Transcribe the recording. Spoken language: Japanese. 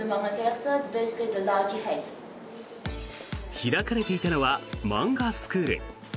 開かれていたのは漫画スクール。